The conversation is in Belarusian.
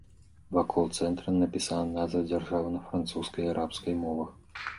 Вакол цэнтра напісана назва дзяржавы на французскай і арабскай мовах.